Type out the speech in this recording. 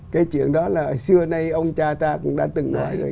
cái chuyện đó là xưa nay ông cha ta cũng đã từng hỏi rồi